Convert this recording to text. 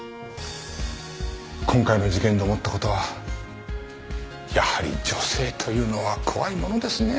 今回の事件で思った事はやはり女性というのは怖いものですねえ。